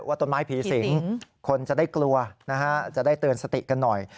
ต้นไม้ผีสิงคนจะได้กลัวนะฮะจะได้เตือนสติกันหน่อย